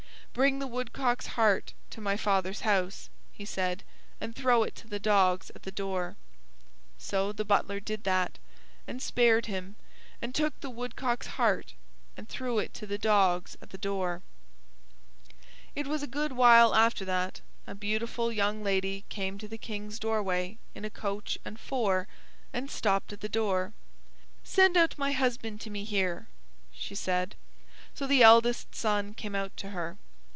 Bring the woodcock's heart to my father's house," he said, "and throw it to the dogs at the door." So the butler did that, and spared him, and took the woodcock's heart and threw it to the dogs at the door. It was a good while after that, a beautiful young lady came to the King's doorway in a coach and four, and stopped at the door. "Send out my husband to me here," she said. So the eldest son came out to her.